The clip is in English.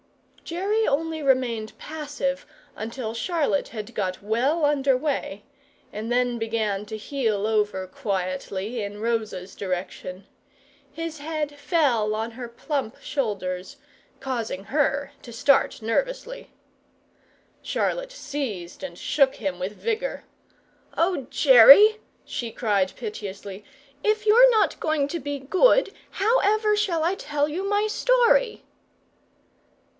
Jerry only remained passive until Charlotte had got well under way, and then began to heel over quietly in Rosa's direction. His head fell on her plump shoulder, causing her to start nervously. Charlotte seized and shook him with vigour, "O Jerry," she cried piteously, "if you're not going to be good, how ever shall I tell you my story?"